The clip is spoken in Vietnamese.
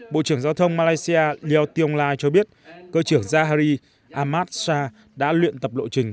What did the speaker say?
bộ trưởng giao thông malaysia leo tiongla cho biết cơ trưởng zahari ahmad shah đã luyện tập lộ trình